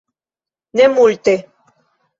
Ne multe.